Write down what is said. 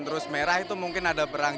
terus merah itu mungkin ada perang